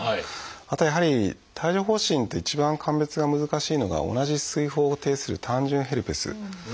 あとはやはり帯状疱疹と一番鑑別が難しいのが同じ水疱を呈する「単純ヘルペス」。